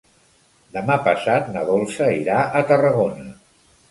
Demà passat na Dolça irà a Tarragona.